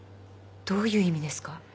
どういう意味ですか？